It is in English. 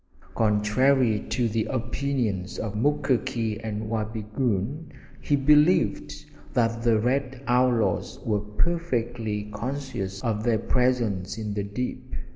Contrary to the opinions of Mukoki and Wabigoon, he believed that the red outlaws were perfectly conscious of their presence in the dip.